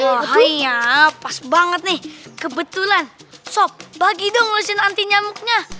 wah iya pas banget nih kebetulan sop bagi dong mesin anti nyamuknya